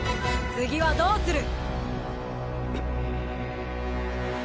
次はどうする？